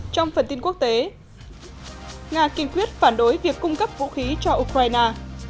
trong phần tin quốc tế nga kiên quyết phản đối việc cung cấp vũ khí cho ukraine